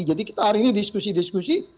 jadi kita hari ini diskusi diskusi